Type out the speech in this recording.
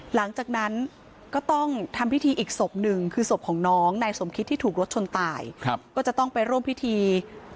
หลังจากนั้นก็ต้องทำพิธีอีกสมหนึ่งคือสมของน้องในสมฯที่ถูกรถชนต่ายครับก็จะต้องไปร่วมพิธีบำเพริง